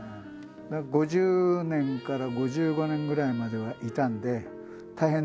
５０年から５５年ぐらい前まではいたんで職場ですね。